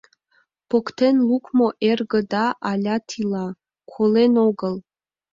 Поктен лукмо эргыда алят ила — колен огыл!